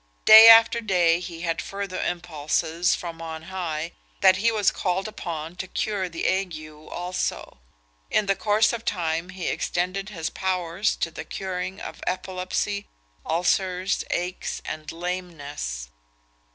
Day after day he had further impulses from on high that he was called upon to cure the ague also. In the course of time he extended his powers to the curing of epilepsy, ulcers, aches, and lameness.